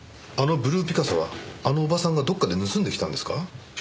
あのブルーピカソはあのおばさんがどこかで盗んできたんですか？